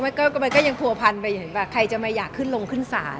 เนี้ยมันก็มันก็ยังถั่วพันไปอยู่เห็นป่ะใครจะมาอยากขึ้นลงขึ้นสาร